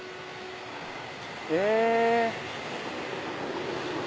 へぇ！